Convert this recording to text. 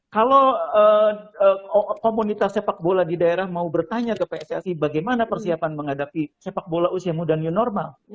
kalau komunitas sepak bola di daerah mau bertanya ke pssi bagaimana persiapan menghadapi sepak bola usia muda new normal